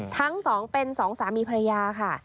ทั้งสองเป็นสองสามีภรรยาค่ะ